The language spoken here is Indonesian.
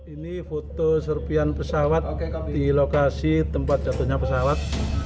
ini foto serpian pesawat di lokasi tempat jatuhnya pesawat